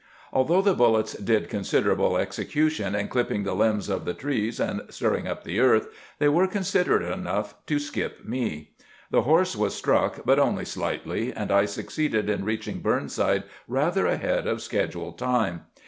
Although the bullets did considerable execu tion in clipping the limbs of the trees and stirring up the earth, they were considerate enough to skip me. The horse was struck, but only slightly, and I succeeded in reaching Burnside rather ahead of schedule time.